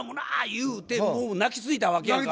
言うてもう泣きついたわけやんか